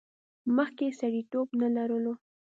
مخکې یې سړیتیوب نه لرلو.